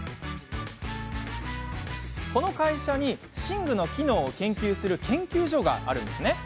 この会社に寝具の機能を研究する研究所があるんです。